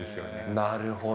なるほど。